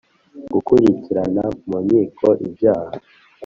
Gukurikirana mu nkiko ibyaha